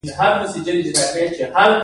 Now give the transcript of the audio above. هغوی د تولید غوره لار باید انتخاب کړي